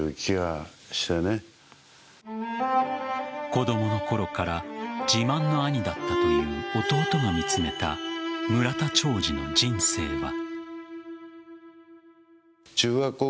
子供のころから自慢の兄だったという弟が見つめた村田兆治の人生は。